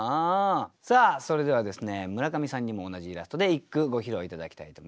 さあそれではですね村上さんにも同じイラストで一句ご披露頂きたいと思います。